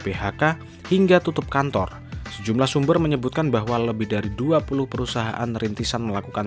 phk hingga tutup kantor sejumlah sumber menyebutkan bahwa lebih dari dua puluh perusahaan rintisan melakukan